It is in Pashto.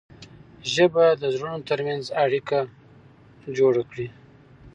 ژبه د زړونو ترمنځ اړیکه جوړه کړي